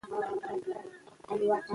په افغانستان کې د جواهرات منابع شته.